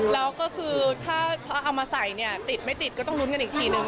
แล้วก็คือถ้าเอามาใส่เนี่ยติดไม่ติดก็ต้องลุ้นกันอีกทีนึง